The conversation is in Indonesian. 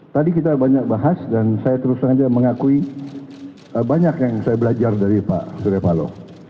tadi kita banyak bahas dan saya terus terang saja mengakui banyak yang saya belajar dari pak surya paloh